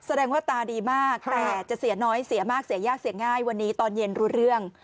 แสดงว่าตาดีมากแต่จะเสียน้อยเสียมากเสียยากเสียง่ายวันนี้ตอนเย็นรู้เรื่อง